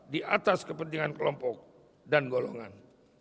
di atas kepentingan kelompok dan golongan